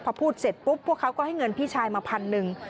พอพูดเสร็จปุ๊บพวกเขาก็ให้เงินพี่ชายมาพันหนึ่ง